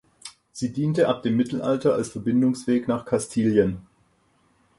Sie diente ab dem Mittelalter als Verbindungsweg nach Kastilien.